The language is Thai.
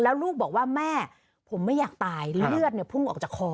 แล้วลูกบอกว่าแม่ผมไม่อยากตายเลือดเนี่ยพุ่งออกจากคอ